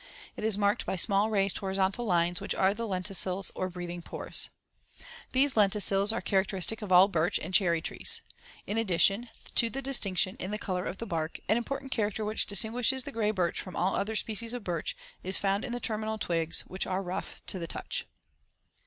It is marked by small raised horizontal lines which are the lenticels or breathing pores. These lenticels are characteristic of all birch and cherry trees. In addition to the distinction in the color of the bark, an important character which distinguishes the gray birch from all other species of birch, is found in the *terminal twigs*, which are *rough* to the touch.